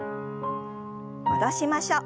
戻しましょう。